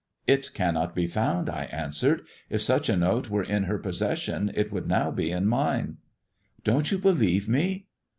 " It cannot be found," I answered ;" if such a note weie in her possession it would now be in mine." Don't you believe me?"